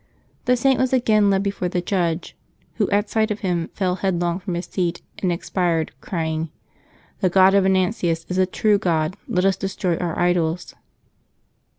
The Saint was again led before the judge, who at sight of him fell headlong from his seat and ex pired, crying, " The God of Venantius is the true God ; let us destroy our idols."